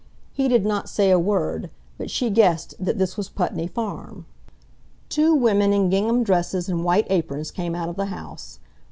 He did not say a word, but she guessed that this was Putney Farm. Two women in gingham dresses and white aprons came out of the house.